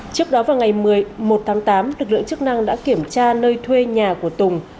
trước đó vào ngày một mươi một tháng tám lực lượng chức năng đã kiểm tra nơi thuê nhà của tùng